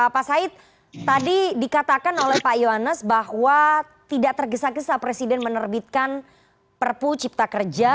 pak said tadi dikatakan oleh pak yohanes bahwa tidak tergesa gesa presiden menerbitkan perpu cipta kerja